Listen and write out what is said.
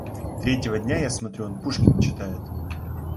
Третьего дня, я смотрю, он Пушкина читает.